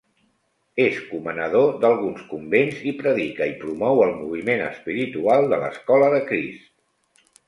És comanador d'alguns convents i predica i promou el moviment espiritual de l'Escola de Crist.